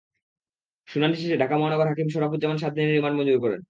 শুনানি শেষে ঢাকা মহানগর হাকিম শরাফুজ্জামান সাত দিনের রিমান্ড মঞ্জুর করেন।